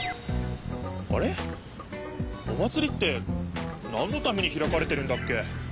あれっお祭りってなんのためにひらかれてるんだっけ？